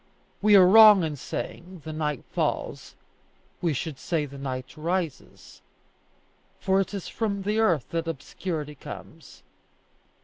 We are wrong in saying, The night falls; we should say the night rises, for it is from the earth that obscurity comes.